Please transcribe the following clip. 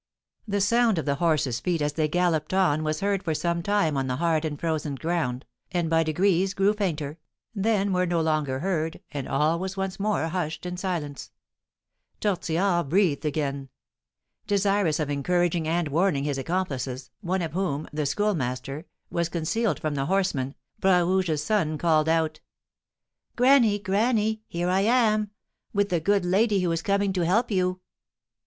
The sound of the horses' feet as they galloped on was heard for some time on the hard and frozen ground, and by degrees grew fainter, then were no longer heard, and all was once more hushed in silence. Tortillard breathed again. Desirous of encouraging and warning his accomplices, one of whom, the Schoolmaster, was concealed from the horsemen, Bras Rouge's son called out: "Granny! granny! here I am! with the good lady who is coming to help you!"